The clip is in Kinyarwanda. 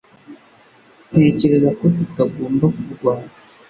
Ntekereza ko tutagomba kurwana